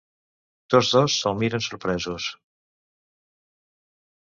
Tots dos se'l miren sorpresos.